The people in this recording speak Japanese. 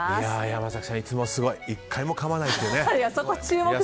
山崎さんいつもすごい１回もかまないでね。